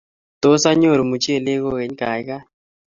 Tos, anyoru muchelek kogeny, gaigai